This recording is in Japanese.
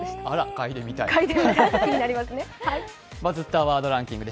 あら、かいでみたい。